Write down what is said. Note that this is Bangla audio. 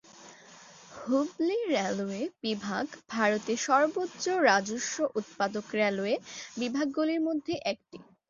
হুবলি রেলওয়ে বিভাগ ভারতে সর্বোচ্চ রাজস্ব উৎপাদক রেলওয়ে বিভাগগুলির মধ্যে একটি।